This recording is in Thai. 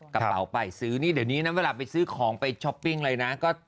กระเป๋าไปซื้อนี่เดี๋ยวนี้นะเวลาไปซื้อของไปช้อปปิ้งอะไรนะ